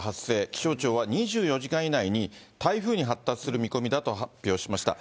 気象庁は２４時間以内に台風に発達する見込みだと発表しました。